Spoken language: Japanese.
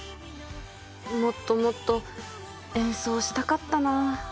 もっともっと演奏したかったな。